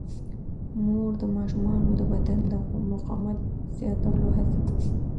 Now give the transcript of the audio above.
مور د ماشومانو د بدن د مقاومت زیاتولو هڅه کوي.